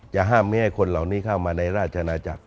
ห้ามไม่ให้คนเหล่านี้เข้ามาในราชนาจักร